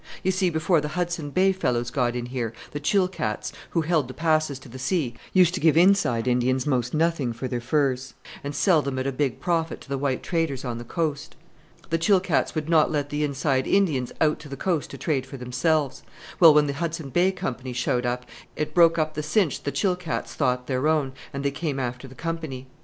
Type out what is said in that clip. You see, before the Hudson Bay fellows got in here, the Chilkats, who held the passes to the sea, used to give inside Indians most nothing for their furs, and sell them at a big profit to the white traders on the coast. The Chilkats would not let the inside Indians out to the coast to trade for themselves. Well, when the Hudson Bay Company showed up, it broke up the cinch the Chilkats thought their own, and they came after the Company.